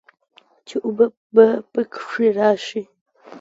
چې اوبۀ به پکښې راشي